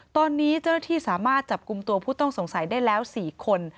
ตอนนี้เจ้าหน้าที่สามารถจับกลุ่มตัวผู้ต้องสงสัยได้แล้ว๔คน